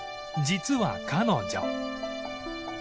実は彼女